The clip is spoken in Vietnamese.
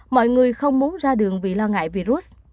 mọi người không muốn ra đường vì lo ngại virus